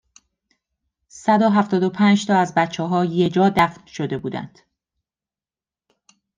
صد و هفتاد و پنج تا از بچهها یهجا دفن شده بودن